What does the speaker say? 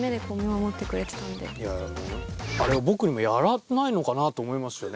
いやあれを「僕にもやらないのかな？」と思いますよね